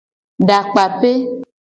Dakpape.